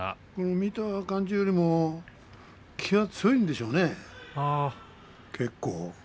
見た感じよりも気が強いんでしょうね、結構。